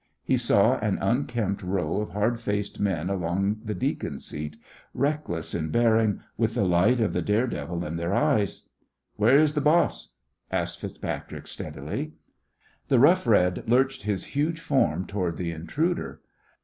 He saw an unkempt row of hard faced men along the deacon seat, reckless in bearing, with the light of the dare devil in their eyes. "Where is the boss?" asked FitzPatrick, steadily. The Rough Red lurched his huge form toward the intruder.